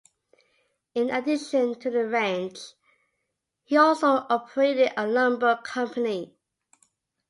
In addition to the ranch, he also operated a lumber company.